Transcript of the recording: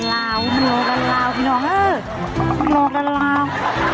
ลงแล้ว